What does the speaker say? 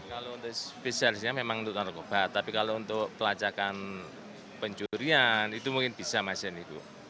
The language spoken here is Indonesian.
kalau untuk spesialisnya memang untuk narkoba tapi kalau untuk pelacakan pencurian itu mungkin bisa mas yan ibu